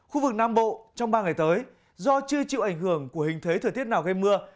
khu vực nam bộ trong ba ngày tới do chưa chịu ảnh hưởng của hình thế thời tiết nào gây mưa